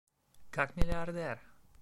Как миллиардер!